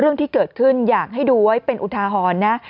เรื่องที่เกิดขึ้นอยากให้ดูไว้เป็นอุทาหรณ์นะ